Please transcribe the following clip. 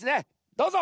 どうぞ！